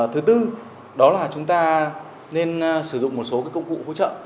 thứ tư đó là chúng ta nên sử dụng một số công cụ hỗ trợ